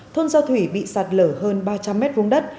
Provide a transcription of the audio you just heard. thôn giao thủy bị sạt lở hơn ba trăm linh m vùng đất